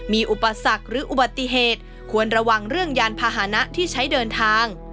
มีอุปสรรคหรืออุบัติเหตุควรระวังเรื่องยานพาหนะที่ใช้เดินทาง